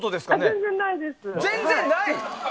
全然ない。